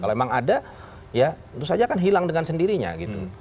kalau memang ada ya tentu saja akan hilang dengan sendirinya gitu